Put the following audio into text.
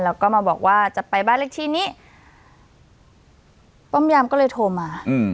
แล้วก็มาบอกว่าจะไปบ้านเลขที่นี้ป้อมยามก็เลยโทรมา